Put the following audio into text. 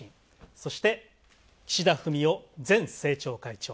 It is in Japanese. そして、岸田文雄前政調会長。